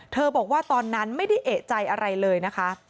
บอกว่าตอนนั้นไม่ได้เอกใจอะไรเลยนะคะ